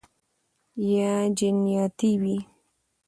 یا جنیاتي وي